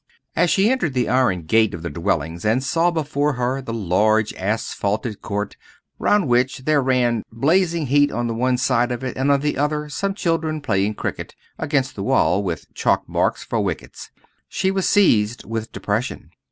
As she entered the iron gate of the dwellings, and saw before her the large asphalted court round which they ran blazing heat on one side of it, and on the other some children playing cricket against the wall with chalk marks for wickets she was seized with depression.